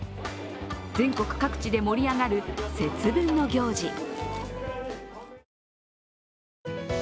全国各地で盛り上がる節分の行事。